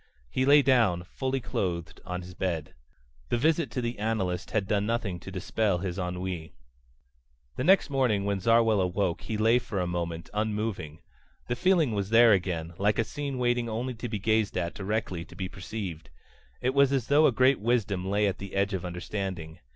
He lay down, fully clothed, on his bed. The visit to the analyst had done nothing to dispel his ennui. The next morning when Zarwell awoke he lay for a moment, unmoving. The feeling was there again, like a scene waiting only to be gazed at directly to be perceived. It was as though a great wisdom lay at the edge of understanding.